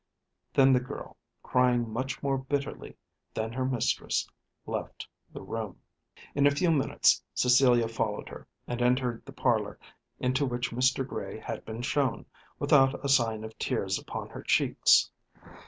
Then the girl, crying much more bitterly than her mistress, left the room. In a few minutes Cecilia followed her, and entered the parlour into which Mr. Gray had been shown, without a sign of tears upon her cheeks.